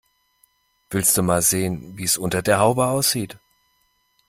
Willst du mal sehen, wie es unter der Haube aussieht?